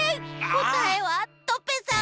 こたえはトペさん。